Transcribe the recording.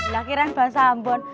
lah kirain bahasa ambon